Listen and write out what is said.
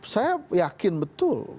saya yakin betul